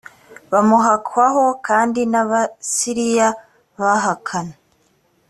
bamuhakwaho kandi n abasiriya bahakana